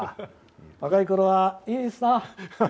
若いころはいいですな。